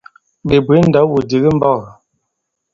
Ɓè bwě ndaw-wudǐk i mbɔ̄k ì ?